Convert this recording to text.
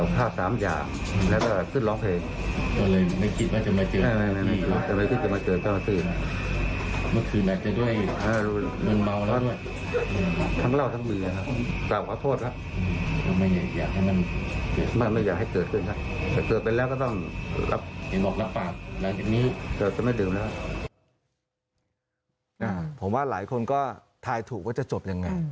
ผมว่าหลายคนก็ทายถูกว่าจะจบยังไง